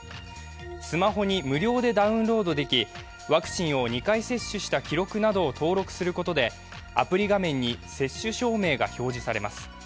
スマホに無料でダウンロードできワクチンを２回接種した記録などを登録することでアプリ画面に接種証明が表示されます。